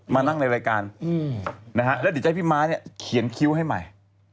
มานั่งในรายการแล้วดิจัยพี่ม้าเขียนคิ้วให้ใหม่